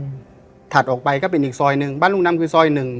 ถัดออกไปก็เป็นอีกซอยหนึ่งบ้านลูกน้ำคือซอยหนึ่ง